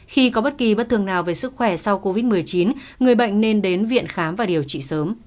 khi có bất kỳ bất thường nào về sức khỏe sau covid một mươi chín người bệnh nên đến viện khám và điều trị sớm